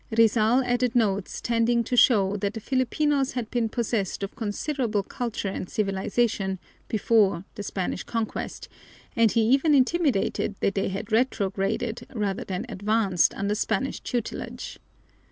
Rizal added notes tending to show that the Filipinos had been possessed of considerable culture and civilization before the Spanish conquest, and he even intimated that they had retrograded rather than advanced under Spanish tutelage.